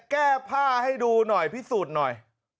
แก้ผ้าให้ดูหน่อยพิสูจน์หน่อย